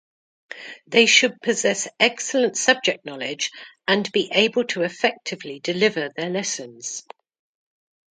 They should possess excellent subject knowledge and be able to effectively deliver their lessons.